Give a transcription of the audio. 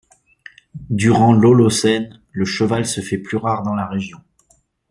Durant l'Holocène, le cheval se fait plus rare dans la région.